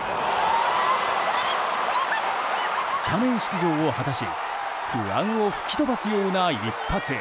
スタメン出場を果たし不安を吹き飛ばすような一発！